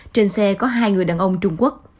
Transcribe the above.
trên xe có hai người đàn ông trung quốc